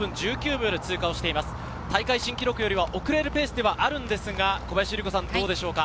大会新記録よりは遅れるペースではありますが、どうでしょうか？